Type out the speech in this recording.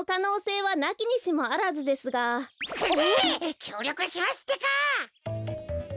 きょうりょくしますってか！